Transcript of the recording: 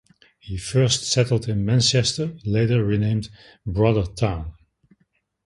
He first settled in Manchester (later renamed "Brothertown").